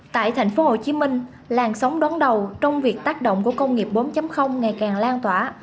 tại thành phố hồ chí minh làng sóng đón đầu trong việc tác động của công nghiệp bốn ngày càng lan tỏa